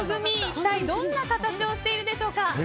一体どんな形をしているでしょうか。